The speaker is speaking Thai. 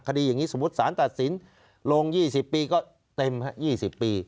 คดีอย่างนี้สมมุติสารตัดสินลง๒๐ปีก็เต็ม๒๐ปี